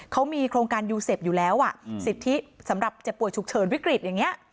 เขามีโครงการยูเซฟอยู่แล้วสิทธิสำหรับเจ็บป่วยฉุกเฉินวิกฤตอย่างนี้